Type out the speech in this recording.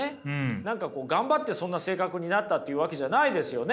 何か頑張ってそんな性格になったっていうわけじゃないですよね。